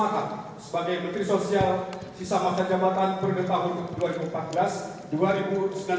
kepada menteri sosial saudara idus maram